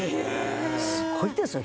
すごいですよ。